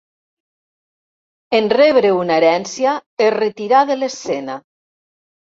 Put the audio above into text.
En rebre una herència es retirà de l'escena.